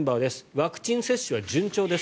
ワクチン接種は順調です。